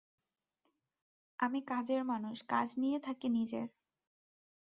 আমি কাজের মানুষ, কাজ নিয়ে থাকি নিজের।